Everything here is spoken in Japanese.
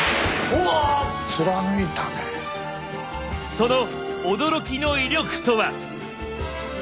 その驚きの威力とは。